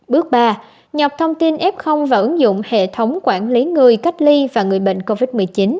bước ba nhập thông tin f vào ứng dụng hệ thống quản lý người cách ly và người bệnh covid một mươi chín